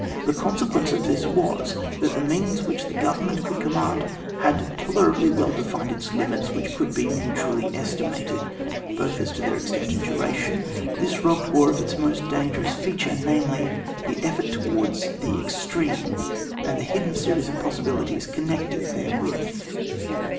The consequence of this was, that the means which the government could command had tolerably well defined limits, which could be mutually estimated, both as to their extent and duration; this robbed war of its most dangerous feature : namely the effort towards the extreme, and the hidden series of possibilities connected therewith.